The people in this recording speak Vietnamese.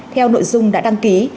theo nội dung đã đăng ký